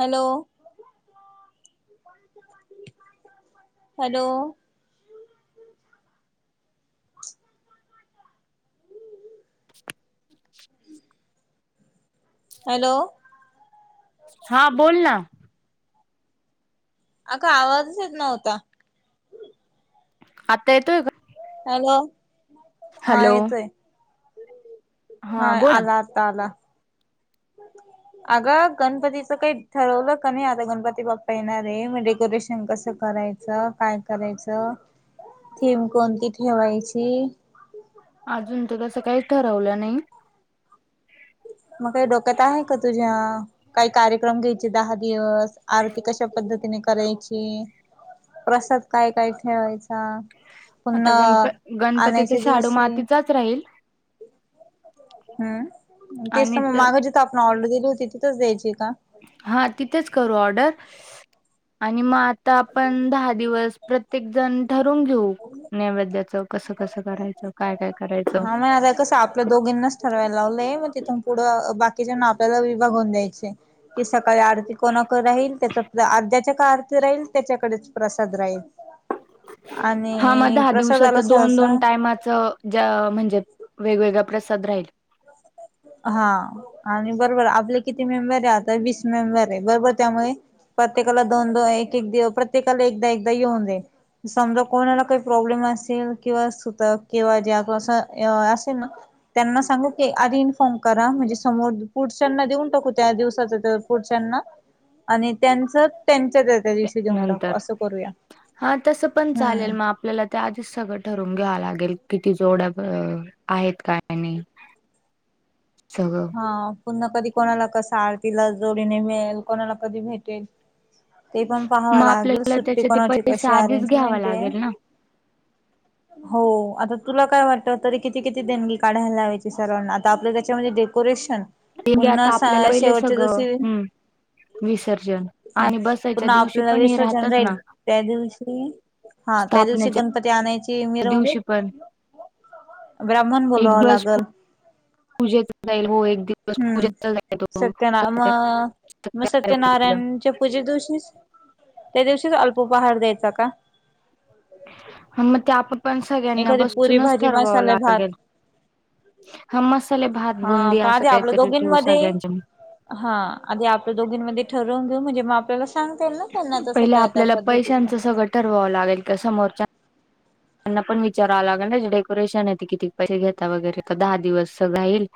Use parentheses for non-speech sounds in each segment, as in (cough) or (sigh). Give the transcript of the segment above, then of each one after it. Hello. Hello. (inaudible) हम् hello. हा बोल ना‌. ‌ अगं आवाजच येत नव्हता. आत्ता येतोय का? हॅलो हा हॅलो येतोय. हा आला आता आला. अगं गणपतीचं काही ठरवलं का नाही? आता गणपती बाप्पा येणार आहे, मग डेकोरेशन कसं कराय काय करायचं, थीम कोणती ठेवायची. अजून तर तसं काहीच ठरवलं नाही. मग काय डोक्यात आहे का तुझ्या? काही कार्यक्रम घ्यायचे दहा दिवस? आरती कश्या पद्धतीने करायची, प्रसाद काय काय ठेवायचा. आता गणप पुन्हा गणपती तर आणायच्या शाडू दिवशी मातीचाच राहील हम्म. तेच तर आणि मग मागाची (unintelligible) आपण ऑर्डर दिली होती तिथंच द्यायचीे का? हा तिथेच करू ऑर्डर आणि मग आता आपण दहा दिवस प्रत प्रत्येकजण ठरून घेऊ. नैवेद्याच कसं कसं करायचं, काय काय करायचं. हा म आ का साप आपल्या दोघींनाच ठरवायला लावलंय मग तिथून पुढं बाकीच्या ना आपल्याला विभागवून द्यायचं. की सकाळी आरती कोणाकडं राहील त्याचा अर्ध्याच्या का आरती राहील त्याच्याकडेच. प्रसाद राहील. हा मग आणि दहा प्रसादाला दिवसाचं दोन, दोन सहसा टायमाचं. जा म्हणजे वेगवेगळा प्रसाद राहील. हा आणि बरोबर आपले किती मेंबर आहे आता वीस मेंबर आहे. बरोबर त्यामुळे प्रत्येकाला दोन दोन एक एक प्रत्येकाला एकदा एकदा येऊन जाईन. समजा कोणाला काही प्रॉब्लेम असेल किंवा सुतक किंवा ज्यात असं असेल ना त्यांना सांगू की आधी फोन करा म्हणजे समोर पुढच्यांना देऊन टाकू त्या दिवसाचा पुढच्यांना आणि त्यांच त्यांच्यात नंतर हा तस पण हम्म. चालेल मग आप आपल्याला त्या आधीच सगळं ठरून घ्यावं लागेल. किती जोड्या अ आहेत काय नाही. (inaudible) (unintelligible) हा पुन्हा कधी कोणाला कस आरतीला जोडीने मिळेल कोणाला कधी भेटेल? ते पण पाहावं मग लागेल आपल्याला सुट्टी त्याचे ते कोणाची पैसे कशी आधीच घ्यावा अरेंजमेंट आहे. लागेल ना हो आता तुला काय वाट तरी किती किती देणगी काढायला लावायची? सर्वांना आता आपल्या त्याच्यामध्ये डे डेकोरेशन म्हणजे पुन्हा आता आपल्याला पहिले शेवटच्या सगळं दिवशी हम्म विसर्जन हम आणि बसायच्या पुन्हा दिवशी आपल्याला पण हे विसर्जन राहतात राहील ना त्यादिवशी हा त्या दिवशी स्थापनेच्या गणपती आणायची. कि मिरवणूक दिवशी पण ब्राह्मण बोलावाव लागल. पूजेच जाईल हो एक दिवस हम्म पूजेचा जाईल होय. सत्यना मग, मग पूजा. सत्यनारायणच्या पूजे दिवशीच. त्या दिवशीच अल्प उपहार द्यायचा का? हां मग ते आपण पण सगळ्यांना एखादी पुरी बसूनच भाजी ठरवावं मसाले भात लागेल. हा मसाले भात हा बुंदी पण असं आधी आपल्या काहीतरी ठेवू दोघींमध्ये सगळ्यांच्या मध हा आधी आपलं दोघींमध्येध्ये ठरवून घेऊ म्हणजे मग आपल्याला स सांगता येईल ना त्यांना तसं, पहिले त्या त्या आपल्याला पद्धतीचं. पैशांचं सगळं ठरवावं लागेल का, समोरच्या. त्यांना पण विचारावं लागेल ना जे डेकोरेशन आहे ते किती पैसे घेता वगैरे तर दहा दिवस राहील.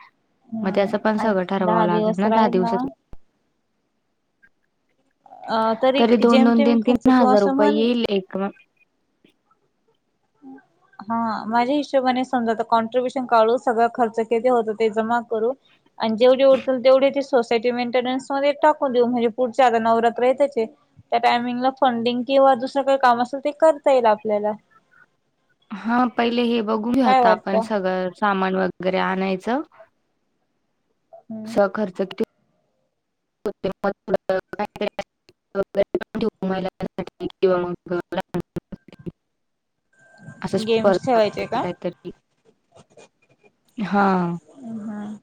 मग हम्म त्याचं पण सगळं ऐक ठरवावं दहा दिवस लागेल ना, दहा राहील दिवसाच ये. अ तरी दोन दोन, जेमतेम तीन खर्च तीन तू हजार असं रुपये म्हण येईल एक म हम्म. हा माझ्या हिशेबाने समजा आता कॉन्ट्र्रीब्युशन काढू सगळा खर्च किती होत ते जमा करू. आणि जेवढी उरतील तेवढी ती सोसायटी मेंटेन्स मध्ये टाकून देऊ म्हणजे, पुढचे आता नवरात्र येतंच ये. त्या टायमिंगला फंडिंग किंवा दुसरं, काही काम असेल ते करता येईल आपल्याला. हा पहिले हे बघू घेऊ काय आता आपण वाटतं सगळं. सामान वगैरे आणायचं स खर्च. ठे (unintelligible) (inaudible) (unintelligible) असं गेम्स स्पर्धा ठेवायचे का काय तर. हा. हम्म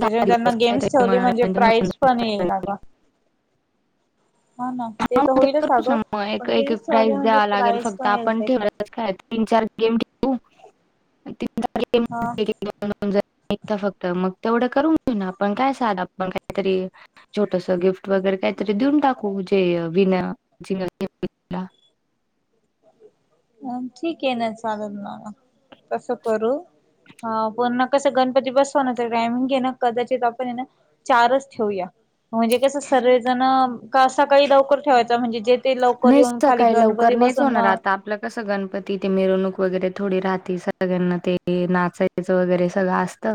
दहा त्यांना दिवस गेम्स काहीतरी ठेवले म्हणजे प्राईज पण येईल ना मनोरंजन ग? हा ना. ह तर ते होईलच करूच अगं ना मग एक पण एक गेम्स ठेवले प्राईज म्हणजे द्यावा लागेल प्राईज फक्त पण आपण येते ठेव खरच काय आत, तीनचार गेम घेऊ, आणि तीन चार गेम. हा. फक्त मग तेवढं करून घे ना. आपण काय साध आपण काहीतरी. छोटस गिफ्ट वगैरे काहीतरी देऊन टाकू जे विना, चिंगल गे (inaudible) अ ठीक आहे ना चालेल मला मग तसं करू. हा पुन्हा कसं गणपती बसवानाच टायमिंग घे ना कदाचित आपण हाय ना चारच ठेऊया म्हणजे कसं सर्व जण, कसं सकाळी लवकर ठेवायचा म्हणजे जे. ते लवकर नाही येऊन खाली सकाळी गणपती लवकर नाहीच बसून होणार मग. आता आपलं कसं, गणपती ते मिरवणूक वगैरे. थोडी राहती सगळ्यांना, ते नाचायचं वगैरे सगळं असत.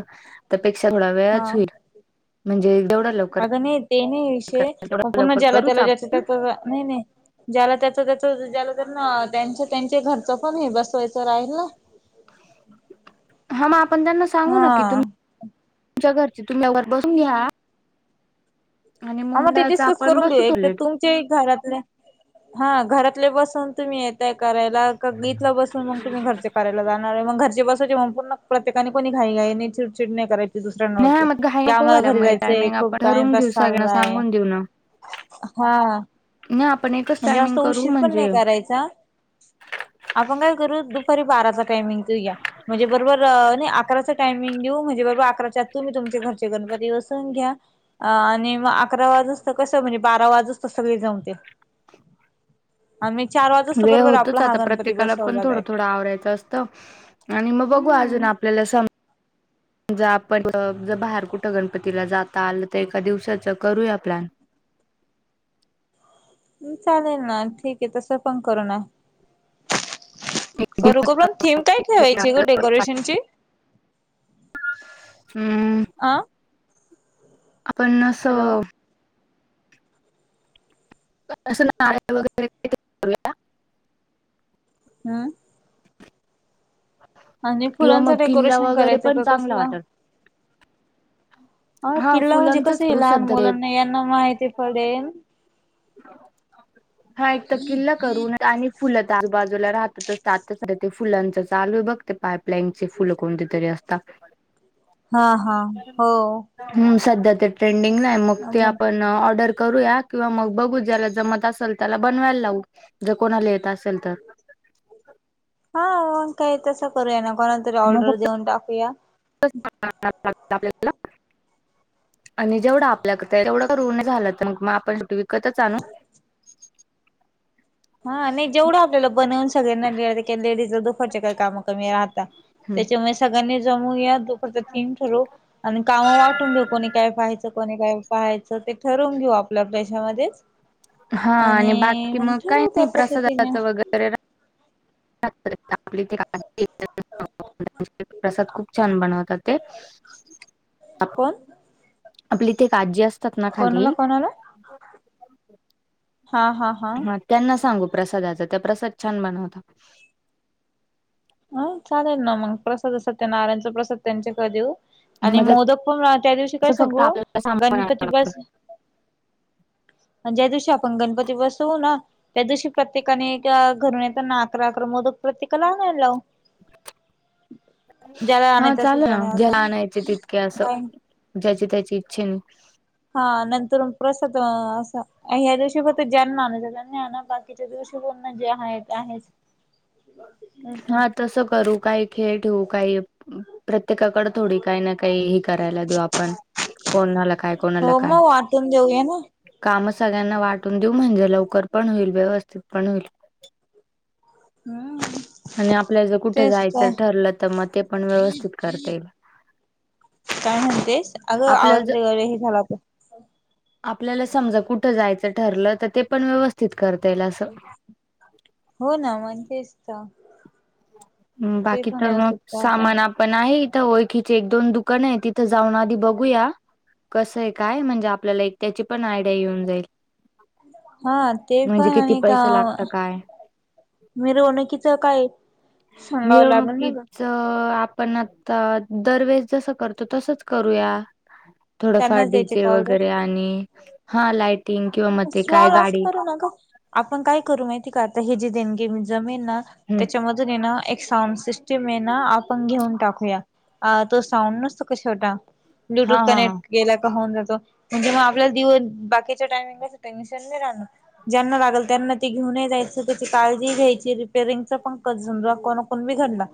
त्यापेक्षा थोडा हा वेळाच होईल, म्हणजे जेवढा लव अगं नाही ते नाही विषय मग, पुन्हा लवकर ज्याला करूच त्याला जेच आपण त्यांच नाही नाही. ज्याला त्याच त्याच ज्याला तर त्यांच, तेचं घरचं पण हे बसवायचं राहील ना. हा मग आपण त्यांना सांगू हा न कि तुम तुमच्या घरची तुम्ही, लवकर बसून घ्या. आणि हा मग ते मुंबईच डिस्कस आपण करून घेऊ बसू तो एक तर लेट तुम चे एक घरातले हा घरातले बसून तुम्ही यताय करायला. का गीेतला बसून मग तुम्ही घरचे करायला जाणार आहे मग घरचे बसवय पुन्हा प्रत्यका कोणी घाई घई चिडचिड नाही कराय नाही दुसऱ्यांवरती मग घाई की नको आम्हाला व्हायला घरी मग जायचंय, टायमिंग खूप आपण टाइम ठरवून घेऊ बसा. सगळ्यांना हाय सांगून देऊ ना हां.. नाही आपण एकच म्हणजे टायमिंग जास्तं करू उशीर पण नाही म्हणजे कराय. आपण काय करूं दुपारी बाराच टायमिंग ठेऊ या. म्हणजे बरोबर नाही अकराचं टायमिंग देऊ म्हणजे, बरोबर अकराच्या आत तुम्ही तुमच्या घरचे गणपती बसून घ्या. अ आणि मग अकरा वाजुस्त कस म्हणजे, बारा वाजुस्त सगळी जमतील. आम्ही चार वाजे वेळ होतोच आता प्रत्येकाला पण थोडं थोडं आवरायचं अस आणि मग बघू अजून, हम्म आपल्याला सम जर आपण जर बाहेर कुठं, गणपतीला जाता आलं तर एका दिवसाच करूया प्लॅन. (unintelligible) चालेल ना, ठीक आहे तसं पण करून आण. एक करू का दिवस पण थीम काय, ठेवायची गं डेकोरेशन ची. हम्म.. अ आपण हॅलो. असं असं (unintelligible) वगैरे (unintelligible) हम्म.. आणि किंवा मग फुलांचं किल्ला डेकोरेशन वगैरे करायचं पण का चांगला कसलं. वाटल अ हा किल्ला म्हणजे फुलांचच कसं हे करू लहान सध्या ते मुलांना यांना माहिती पडेल. हा एक तर किल्ला करू नाहीत आणि फुलं तर आजूबाजूला राहतातच. आताचं ते फुलांच चालू आहे बघ, ते पाईपलाईनचे फुलं कोणते तरी असता. ह हम्म.. सध्या ते ट्रेंडिंग ला आहे, मग हा ते आपण. ऑर्डर करूया किंवा मग, बघू ज्याला जमत असेल त्याला, बनवायला लावू जर कोणाला येत असेल तर. हा काही तसं करूया, ना कोणालातरी मग ऑर्डर फक्त देऊन टाकूया. (inaudible) आपल्याला आणि जेवढं आपल्या (unintelligible) तेवढं करुन झालं तर मग आपण शेवटी विकतच आणू. हा नाही जेवढं आपल्याला बनवून, सगळ्यांना लि लेडीज दुपारच्या काही काम कमी राहता. हम्म. त्याच्यामुळेस सगळ्यांनी जमू या दुपारच थीम ठरू. आणि काम वाटून घेऊ कोणी, काय पाहायचं कोणी काय. पाहायचं ते ठरवून घेऊ, आपल्या पैसा मध्येच. हा आणि बाकी मग काय? त्या नाही पद्धतीने प्रसादाचं वगैरे (unintelligible) आपली ते (unintelligible) प्रसाद खूप छान बनवतात ते. कोण? आपली इथे, आजी असतात ना खाली. कोणाला कोणाला हा हा. हा हां त्यांना सांगू प्रसादाचं, त्या प्रसाद छान बनवतात. हां चालेल ना मग, प्रसाद सत्यनारायणचा प्रसाद त्यांचेकडे देऊ. आणि मग त्याच मोदक पण त्या दिवशी काय फक्त सांगू, आपल्याला सामान गणपती आणायला बस आणि ज्या दिवशी आपण गणपती बसवू ना. त्या दिवशी प्रत्येकाने त्या घरून येताना अकरा अकरा मोदक प्रत्येकाला आणायला लाऊ. ज्याला हा आणायचं असेल चालेना त्याने असा ज्याला आणयचे तितके असं, काय ज्याची त्याची इच्छे न. हां नंतर प्रसाद असा आ ह्या दिवशी फक्त ज्यांना आणायचं त्यांनी आणा, बाकीच्या दिवशी पुन्हा जे आहे ते आहेच. (inaudible) हा तसं करू काही खेळ ठेवू, काही प्रत्येकाकडं थोडी काही ना काही. करायला देऊ आपण, कोणाला काय कोणाला हो काय. मग वाटून देऊया ना कामं सगळ्यांना वाटून देऊ, म्हणजे लवकर पण होईल, व्यवस्थित पण होईल. हं. आणि आपल्याला जर कुठं जायचं ठरलं तर, मग ते पण व्यवस्थित करता येईल. काय म्हणतेस? अगं आपल्याला आवाज ज वगैरे हे झाला पण. आपल्याला समजा कुठ जायचं ठरलं, तर ते पण व्यवस्थित करता येईल असं. हो ना मग तेच तर. ते बाकी पण तर मग व्यवस्थित करताय. सामान आप पण आहे इथं ओळखीचे एक दोन दुकान आहे, तिथं जाऊन आधी बघूया. कसंय काय म्हणजे आपल्याला एक त्याची पण आयडिया येऊन जाईल. हा ते म्हणजे पण किती आणि का पैसे लागत काय मिरवणूकीच कायं. मिरवणुकीत ग आपण आता दरवेस जसं करतो तसच करूया. थोडंफार त्यांनाच डी द्यायचे जे का ऑर्डर? वगैरे आणि हा लायटिंग किंवा म ते काय स्मॉल असं गाडी करू आपण काय करू माहिती का? आता हे जे देणगे म जमेन ना हम्म त्याच्यामधून जूनेन एक साउंड सिस्टम ना आपण घेऊन टाकूया. अ तो साऊंड नसतो का छोटा हा ब्लूटूथ हा हा कनेक्ट गेला का होऊन जातो म्हणजे मग आपल्याला दिवन बाकीच्या टायमिंगला टेन्शन नाही राहनार. ज्यांना लागेल त्यांना ते घेऊनही जायचं त्याची काळजी घ्यायची रिपेरिंगच पंकज फोण बिगडला.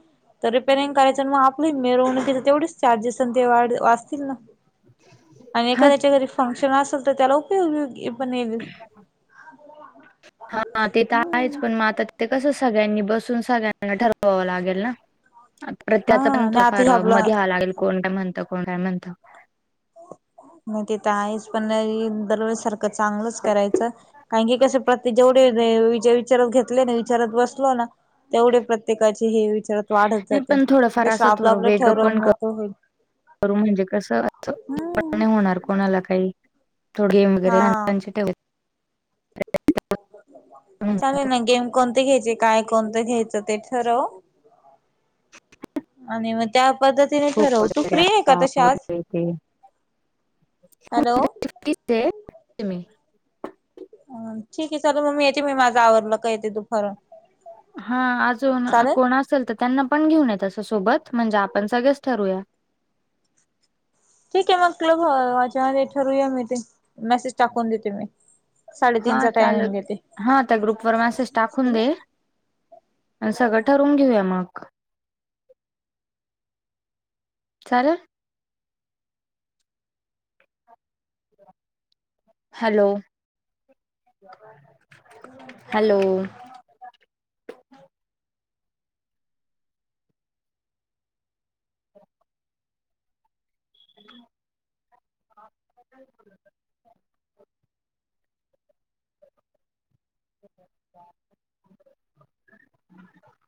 तर रिपेरिंग करायचं मग आपली मिरवणूक की च तर तेवढेच चार्जेस न ते वा वाचतील ना. आणि हा एखाद्याच्या घरी फंक्शन असेल तर त्याला उपयोगी पण येईल ह (unintelligible) (unintelligible) हा ते तर आहेच पण मग आता तिथ कसं सगळ्यांनी बसून सगळ्यांना ठरवावं लागेल ना. (unintelligible) प्रत हा त्याचा पण त नाही आता हे फार आपलं मध्ये हवं लागेल कोण काय म्हणतं कोण काय म्हणत. (unintelligible) हम ते तर आहेच पण दरवेळेज सारखं चांगलंच करायचं. कारन (unintelligible) की कसे प्रत जेवढे वि विचारत घेतले ना विचारत बसलो ना तेवढे प्रत्येकाचे हे विचारात वाढत नाही जातेे पण थोडंफार नाहित असं आपलं आपलं ठरवून मोकळं होईल. कर म्हणजे कसं अस हम्म होणार कोणाला काही थोड गेम वगैरे हा ल ठेव. तर होऊन चालेल जातं. ना गेम कोणते घ्यायचे काय कोणतं घ्यायचं ते ठरव आणि मग त्या पद्ध तिने खो खो ठरव तू वगैरे फ्री आहे का असता तशी आज? वगैरे हॅलो! (unintelligible) अ ठीक आहे चल मग मी येते मी माझं आवरलं का येते दुपारुन. हा अजून कोण असेल तर त्यांना पण घेऊन येत असं सोबत म्हणजे आपण सगळेच ठरूया. ठीक आहे मग क्लबच्यामध्ये हे ठरूया मग ते मेसेज टाकून देते मी. हा साडेतीनचा टायमिंग चालेल. देते. हा त्या ग्रुपवर मेसेज टाकून दे आणि सगळं ठरवून घेऊया मग. चालल. (unintelligible) Hello hello! (unintelligible) (inaudible) (unintelligible)